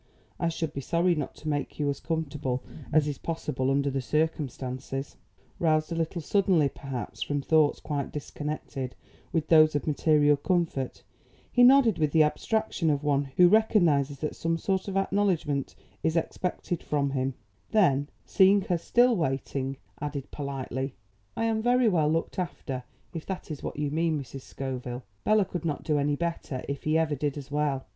I should be sorry not to make you as comfortable as is possible under the circumstances." [Illustration: SILENCE! NOT EVEN HEAVEN SPOKE] Roused a little suddenly, perhaps, from thoughts quite disconnected with those of material comfort, he nodded with the abstraction of one who recognises that some sort of acknowledgment is expected from him; then, seeing her still waiting, added politely: "I am very well looked after, if that is what you mean, Mrs. Scoville. Bela could not do any better if he ever did as well."